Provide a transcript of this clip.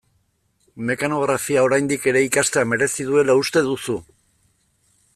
Mekanografia, oraindik ere, ikastea merezi duela uste duzu?